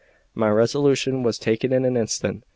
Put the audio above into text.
My resolution was taken in an instant.